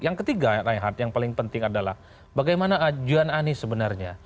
yang ketiga rehat yang paling penting adalah bagaimana ajuan anies sebenarnya